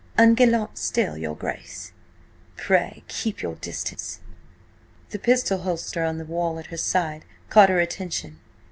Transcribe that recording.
Ungallant still, your Grace? Pray keep your distance!" The pistol holster on the wall at her side caught her attention.